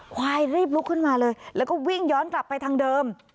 ควายรีบลุกขึ้นมาเลยแล้วก็วิ่งย้อนกลับไปทางเดิม